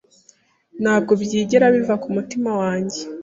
Ntabwo byigera biva kumutima wanjye